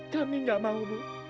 kami gak mau bu